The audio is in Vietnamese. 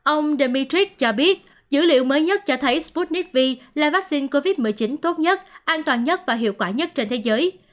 ông dmitrick cho biết dữ liệu mới nhất cho thấy sputnik v là vaccine covid một mươi chín tốt nhất an toàn nhất và hiệu quả nhất trên thế giới